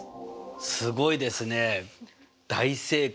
すごいですね大正解。